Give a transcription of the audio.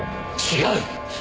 違う！